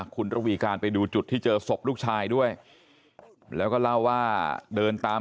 คุณระวีการไปดูจุดที่เจอศพลูกชายด้วยแล้วก็เล่าว่าเดินตาม